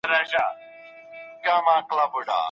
موږ وخت ضايع نه کړ او ژر روان سو.